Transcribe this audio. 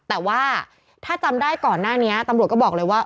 แต่ว่าถ้าจำได้ก่อนหน้านี้ตำรวจก็บอกเลยว่า